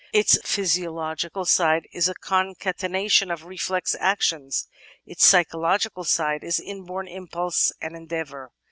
Its physiological side is a con catenation of reflex actions. Its psychological side is inborn impulse and endeavour.